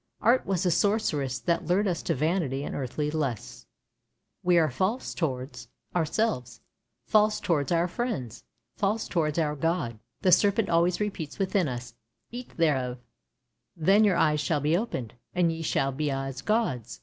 Art was a sorceress that lured us to vanity and earthly lusts. We are false towards ii2 ANDERSEN'S FAIRY TALES ourselves, false towards our friends, false towards our God. The serpent always repeats within us, " Eat thereof ; then your eyes shall be opened, and ye shall be as gods